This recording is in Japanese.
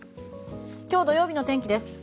今日土曜日のお天気です。